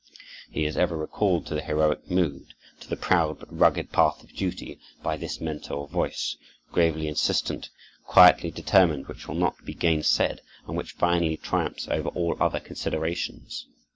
He is ever recalled to the heroic mood, to the proud but rugged path of duty, by this mentor voice—gravely insistent, quietly determined, which will not be gainsaid; and which finally triumphs over all other considerations.